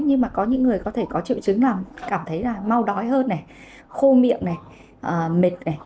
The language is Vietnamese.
nhưng mà có những người có triệu chứng là cảm thấy mau đói hơn khô miệng mệt